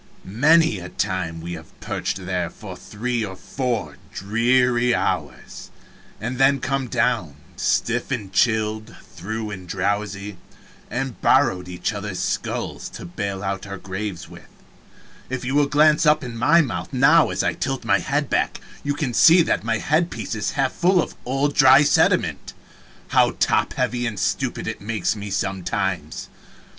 Many a time we have perched there for three or four dreary hours, and then come down, stiff and chilled through and drowsy, and borrowed each other's skulls to bail out our graves with if you will glance up in my mouth now as I tilt my head back, you can see that my head piece is half full of old dry sediment how top heavy and stupid it makes me sometimes!